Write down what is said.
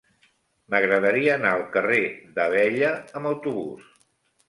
M'agradaria anar al carrer d'Abella amb autobús.